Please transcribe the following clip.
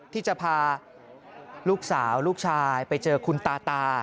ที่จะพาลูกสาวลูกชายไปเจอคุณตาตา